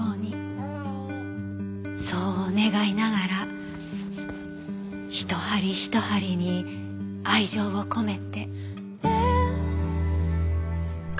そう願いながらひと針ひと針に愛情を込めて。